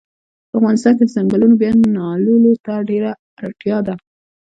په افغانستان کښی د ځنګلونو بیا نالولو ته ډیره اړتیا ده